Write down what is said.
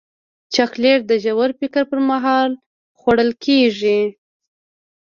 چاکلېټ د ژور فکر پر مهال خوړل کېږي.